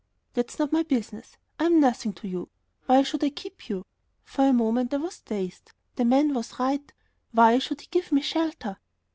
"That's not my business. I'm nothing to you. Why should I keep you?" For a moment I was dazed. The man was right. Why should he give me shelter?